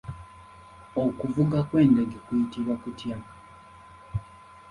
Okuvuga kw’endege kuyitibwa kutya?